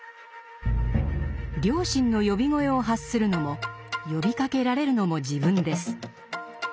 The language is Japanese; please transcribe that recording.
良心の呼び声を発するのも呼びかけられるのも自分です。